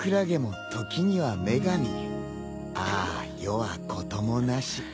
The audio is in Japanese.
ああ世はこともなし。